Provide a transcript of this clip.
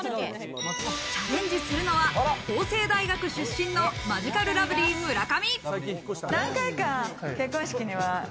チャレンジするのは、法政大学出身のマヂカルラブリー・村上。